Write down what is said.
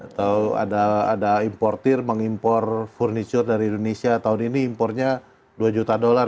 atau ada importer mengimpor furniture dari indonesia tahun ini impornya dua juta dolar